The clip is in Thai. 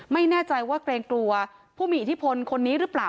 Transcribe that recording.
ไม่แน่ใจว่าเกรงกลัวผู้มีอิทธิพลคนนี้หรือเปล่า